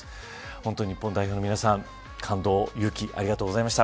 本当に日本代表の皆さん感動、勇気ありがとうございました。